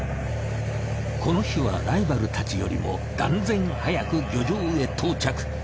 この日はライバルたちよりも断然早く漁場へ到着。